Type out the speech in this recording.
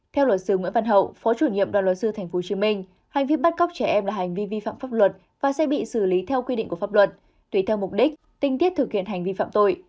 theo luật sư nguyễn văn hậu phó chủ nhiệm đoàn luật sư tp hcm hành vi bắt cóc trẻ em là hành vi vi phạm pháp luật và sẽ bị xử lý theo quy định của pháp luật tùy theo mục đích tinh tiết thực hiện hành vi phạm tội